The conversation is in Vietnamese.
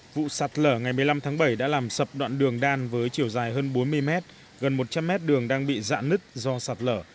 vụ sạt lở ngày một mươi năm tháng bảy đã làm sập đoạn đường đan với chiều dài hơn bốn mươi mét gần một trăm linh mét đường đang bị dạ nứt do sạt lở